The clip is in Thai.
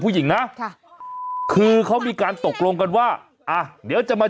ห้องกับข้อความว่า